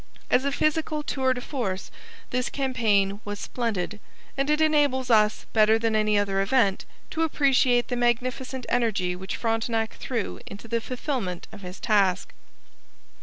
As a physical tour de force this campaign was splendid, and it enables us, better than any other event, to appreciate the magnificent energy which Frontenac threw into the fulfilment of his task.